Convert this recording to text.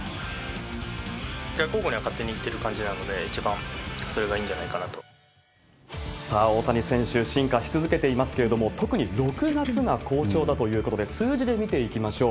逆方向には勝手にいってる感じなので、さあ、大谷選手、進化し続けていますけれども、特に６月が好調だということで、数字で見ていきましょう。